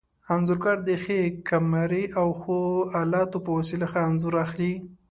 انځورګر د ښې کمرې او ښو الاتو په وسیله ښه انځور اخلي.